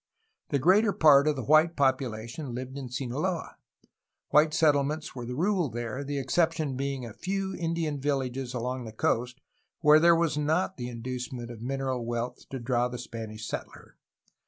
The ^eater part of the white popu lation hved in Sinaloa. White settle ments were the rule there, the excep tions being a few Indian villages along the coast, where there was not the inducement of mineral wealth to draw the Spanish settler.